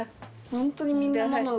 ホントにみんなママが。